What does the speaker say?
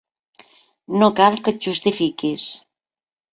No cal que et justifiquis.